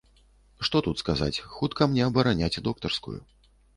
Што тут сказаць, хутка мне абараняць доктарскую.